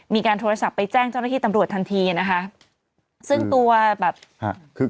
มีการโทรศัพท์ไปแจ้งเจ้าหน้าที่ตำรวจทันทีนะคะซึ่งตัวแบบฮะคือ